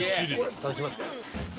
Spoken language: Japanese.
いただきます。